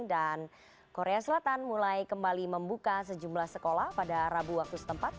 dan korea selatan mulai kembali membuka sejumlah sekolah pada rabu waktu setempat